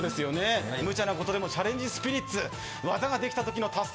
無茶なことでもチャレンジスピリッツ。